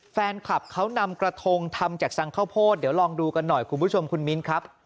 แฟนคลับเขานำกระทงทำจากสังข้าวโพดเดี๋ยวลองดูกันหน่อยคุณผู้ชมคุณมิ้นครับ